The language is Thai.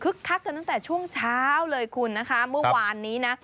คักกันตั้งแต่ช่วงเช้าเลยคุณนะคะเมื่อวานนี้นะ